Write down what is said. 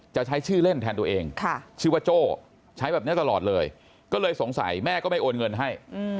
จะใช้ชื่อเล่นแทนตัวเองชื่อว่าโจ้ใช้แบบนี้ตลอดเลยก็เลยสงสัยแม่ก็ไม่โอนเงินให้